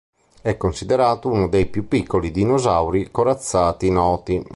È considerato uno dei più piccoli dinosauri corazzati noti.